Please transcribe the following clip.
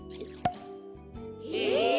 へえ。